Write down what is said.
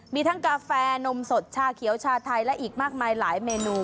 มีทั้งกาแฟนมสดชาเขียวชาไทยและอีกมากมายหลายเมนู